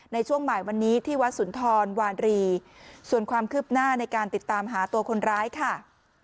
ในช่วงบ่ายวันนี้ที่วัดสุนทรวารีส่วนความคืบหน้าในการติดตามหาตัวคนร้ายค่ะ